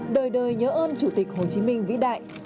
đời đời nhớ ơn chủ tịch hồ chí minh vĩ đại